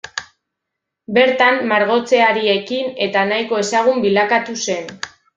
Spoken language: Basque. Bertan margotzeari ekin eta nahiko ezagun bilakatu zen.